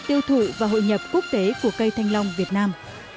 tiêu thụ và hội nhập quốc tế của cây thanh long việt nam